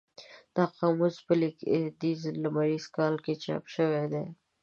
دا قاموس په لېږدیز لمریز کال کې چاپ شوی دی.